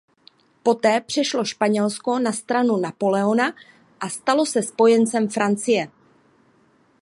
Po té přešlo Španělsko na stranu Napoleona a stalo se spojencem Francie.